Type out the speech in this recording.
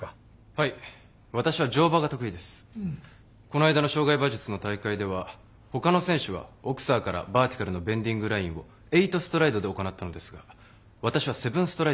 この間の障害馬術の大会ではほかの選手はオクサーからバーティカルのベンディングラインをエイトストライドで行ったのですが私はセブンストライドにしました。